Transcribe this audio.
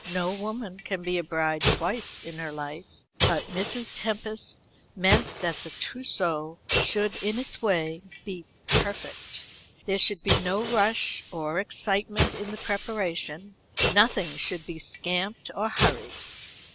No woman can be a bride twice in her life; but Mrs. Tempest meant that the trousseau should, in its way, be perfect. There should be no rush or excitement in the preparation; nothing should be scamped or hurried.